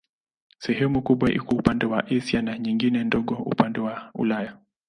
Sehemu kubwa iko upande wa Asia na nyingine ndogo upande wa Ulaya.